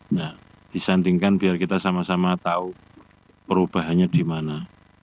nah disandingkan biar kita sama sama tahu perubahannya di mana